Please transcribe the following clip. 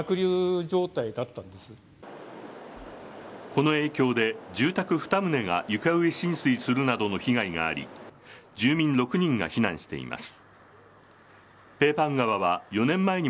この影響で、住宅２棟が床上浸水するなどの被害があり住民６人が避難しています。